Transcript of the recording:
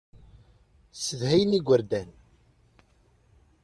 Ssedhayen igerdan.